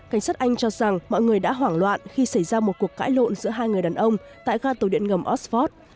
cảnh sát anh cho rằng mọi người đã hoảng loạn khi xảy ra một cuộc cãi lộn giữa hai người đàn ông tại ga tàu điện ngầm osford